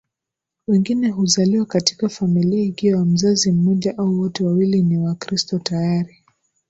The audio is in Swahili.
Wengine huzaliwa katika familia ikiwa mzazi mmoja au wote wawili ni Wakristo tayari